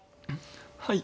はい。